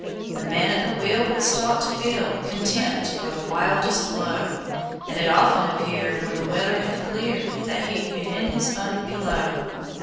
The man at the wheel was taught to feel Contempt for the wildest blow, And it often appeared, when the weather had cleared, That he'd been in his bunk below.